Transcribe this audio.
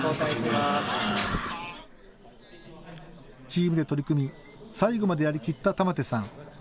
チームで取り組み最後までやりきった玉手さん。